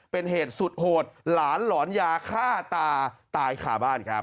เป็นเหตุสุดโหดหลานหลอนยาฆ่าตาตายขาบ้านครับ